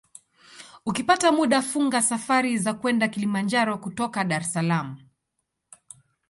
Ukipata muda funga safari za kwenda Kilimanjaro kutoka Dar es Salaam